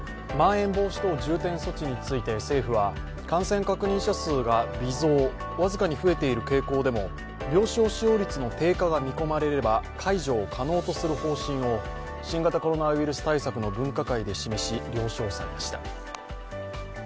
まん延防止等重点措置について政府は感染確認者数が微増僅かに増えている傾向でも病床使用率の低下が見込まれれば解除を可能とする方針を新型コロナウイルス対策の分科会で示し、了承されました。